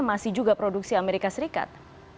masih juga produksi amerika serikat